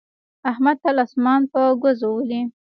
احمد تل اسمان په ګوزو ولي.